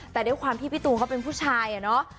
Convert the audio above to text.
แต่ด้วยความพี่ตูเป็นผู้ชายอะเนาะ